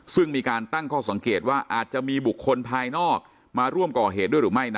ซึ่งมีการตั้งข้อสังเกตว่าอาจจะมีบุคคลภายนอกมาร่วมก่อเหตุด้วยหรือไม่นะ